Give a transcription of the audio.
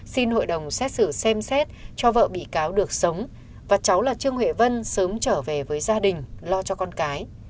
xin hội đồng xét xử xem xét cho vợ bị cáo được sống và cháu là trương huệ vân sớm trở về với gia đình lo cho con cái